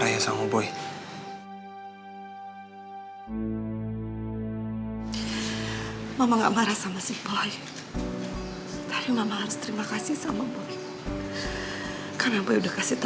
ini bener bener gak cocok ini gak cocok banget